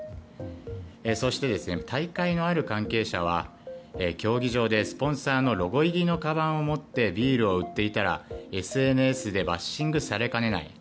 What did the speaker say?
そして、大会のある関係者は競技場でスポンサーのロゴ入りのかばんを持ってビールを売っていたらＳＮＳでバッシングされかねない